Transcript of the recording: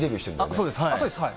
そうです。